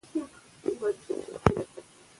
که ذکر وکړو نو مایوسي نه راځي.